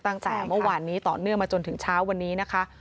ตั้งแต่เมื่อวานนี้ต่อเนื่องมาจนถึงเช้าวันนี้นะคะ